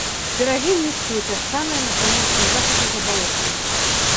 Берагі нізкія і пясчаныя, на паўночным захадзе забалочаныя.